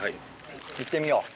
いってみよう。